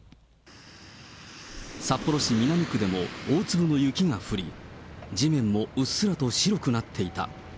札幌市南区でも大粒の雪が降り、地面もうっすらと白くなっていた。